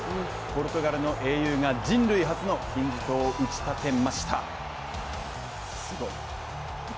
ポルトガルの英雄が人類初の金字塔を打ち立てました、すごい。